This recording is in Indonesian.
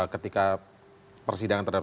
ketika persidangan terhadap